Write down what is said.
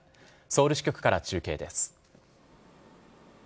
ソウル支局から中継です。